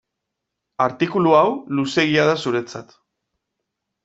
Artikulu hau luzeegia da zuretzat.